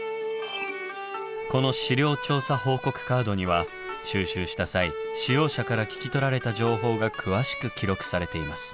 この「資料調査報告カード」には収集した際使用者から聞き取られた情報が詳しく記録されています。